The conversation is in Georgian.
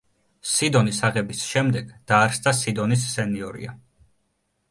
სიდონის აღების შემდეგ დაარსდა სიდონის სენიორია.